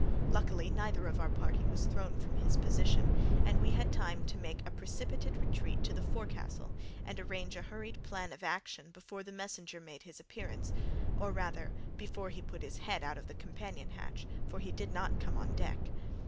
Luckily, neither of our party was thrown from his position, and we had time to make a precipitate retreat to the forecastle, and arrange a hurried plan of action before the messenger made his appearance, or rather before he put his head out of the companion hatch, for he did not come on deck.